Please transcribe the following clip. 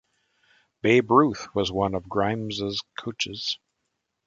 Babe Ruth was one of Grimes's coaches.